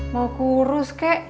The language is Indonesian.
mau kurus kek